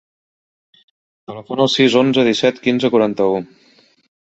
Telefona al sis, onze, disset, quinze, quaranta-u.